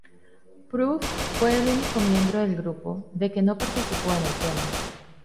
Proof fue el único miembro del grupo de que no participó en el tema.